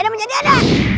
ini ada menjadi ada